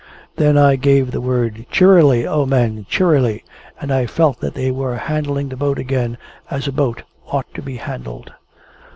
Then I gave the word "Cheerily, O men, Cheerily!" and I felt that they were handling the boat again as a boat ought to be handled.